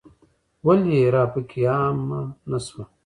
ولې راپکې عامه نه شوه.